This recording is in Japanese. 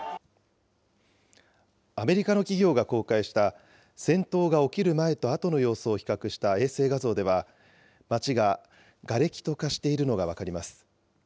アメリカの企業が公開した戦闘が起きる前とあとの様子を比較した衛星画像では、街ががれきと化しているのが分かります。